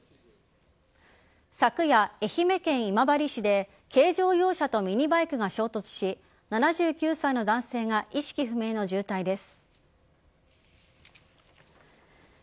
昨夜、愛媛県今治市で軽乗用車とミニバイクが衝突し７９歳の男性が意識不明の重体です。